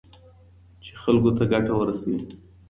چي خلګو ته ګټه ورسوي.